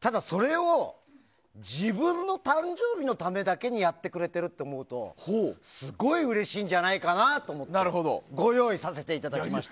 ただ、それを自分の誕生日のためだけにやってくれてると思うとすごいうれしいんじゃないかなと思ってご用意させていただきました。